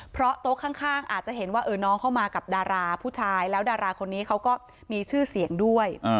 เพราะโต๊ะข้างอาจจะเห็นว่าน้องเข้ามากับดาราผู้ชายแล้วดาราคนนี้เขาก็มีชื่อเสียงด้วย